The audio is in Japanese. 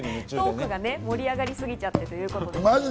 トークが盛り上がりすぎちゃってということです。